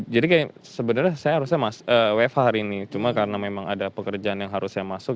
jadi kayak sebenarnya saya harusnya wfh hari ini cuma karena memang ada pekerjaan yang harus saya masuk